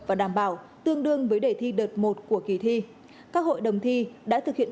và đảm bảo tương đương với đề thi đợt một của kỳ thi các hội đồng thi đã thực hiện